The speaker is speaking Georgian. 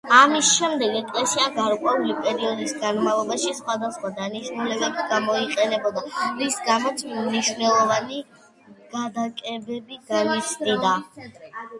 ამის შემდეგ ეკლესია გარკვეული პერიოდის განმავლობაში სხვადასხვა დანიშნულებით გამოიყენებოდა, რის გამოც მნიშვნელოვანი გადაკეთებები განიცადა.